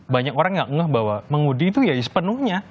banyak orang yang ngeh bahwa mengudi itu ya sepenuhnya